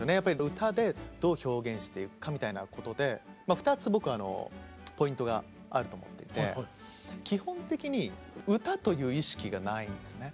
歌でどう表現していくかみたいなことでまあ２つ僕あのポイントがあると思っていて基本的に歌という意識がないんですよね。